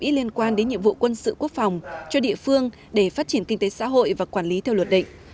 y liên quan đến nhiệm vụ quân sự quốc phòng cho địa phương để phát triển kinh tế xã hội và quản lý theo luật định